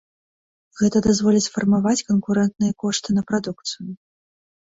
Гэта дазволіць сфармаваць канкурэнтныя кошты на прадукцыю.